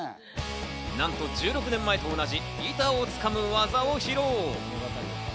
なんと１６年前と同じ、板をつかむ技を披露。